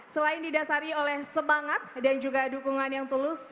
selain didasari oleh semangat dan juga dukungan yang tulus